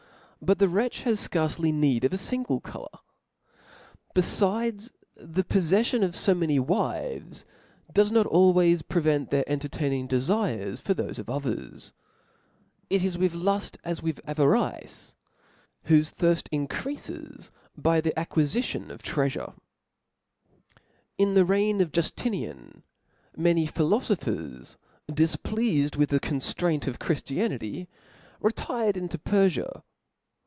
But the wretch basicarce need of 9 •finglc colour. Befides, thepoffeffion of fflany wives does not always prevent theif entertaining defires ♦ for rfiofe ;of others: it 4s with luft as with avarke, whafe ithirft.inc^eafes'fey the acquifition of treaforc* In the reign of Juftinian, many philoibphec^^ ^difpleafed with the conftrajnt of Chrifti^nity, re tired into Perfia.